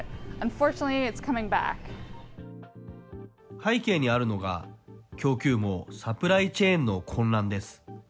背景にあるのが、供給網・サプライチェーンの混乱です。